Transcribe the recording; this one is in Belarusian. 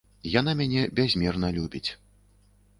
Яна мяне бязмерна любіць.